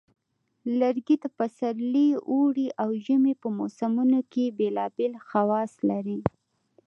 لرګي د پسرلي، اوړي، او ژمي په موسمونو کې بیلابیل خواص لري.